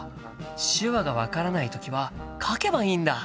手話が分からない時は書けばいいんだ！